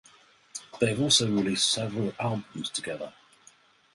They have also released several albums together.